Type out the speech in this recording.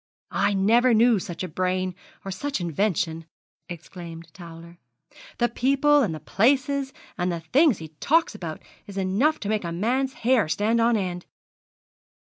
'I never knew such a brain, or such invention!' exclaimed Towler; 'the people and the places, and the things he talks about is enough to make a man's hair stand on end.'